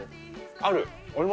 ある？